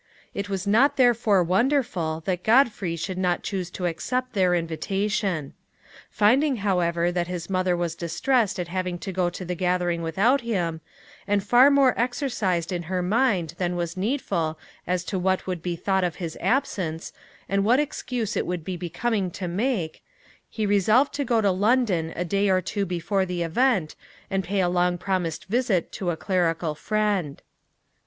It was not therefore wonderful that Godfrey should not choose to accept their invitation. Finding, however, that his mother was distressed at having to go to the gathering without him, and far more exercised in her mind than was needful as to what would be thought of his absence, and what excuse it would be becoming to make, he resolved to go to London a day or two before the event, and pay a long promised visit to a clerical friend.